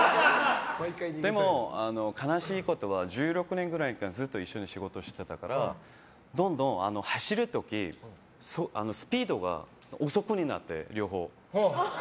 でも、悲しいことは１６年ぐらいずっと一緒に仕事してたからどんどん走る時スピードが遅くなって、両方。